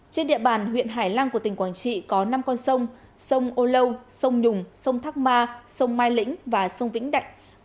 trên địa bàn huyện hải lăng của tỉnh quảng trị có năm con sông sông âu lâu sông nhùng sông thác ma sông mai lĩnh và sông vĩnh đại